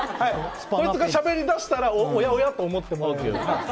こいつがしゃべりだしたらおやおや？と思ってもらえれば。